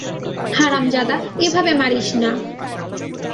হারামজাদা, এভাবে মারিস না!